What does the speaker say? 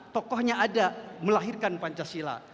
tokohnya ada melahirkan pancasila